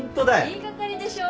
言い掛かりでしょ？